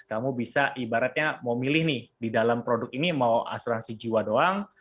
kamu bisa ibaratnya mau milih nih di dalam produk ini mau asuransi jiwa doang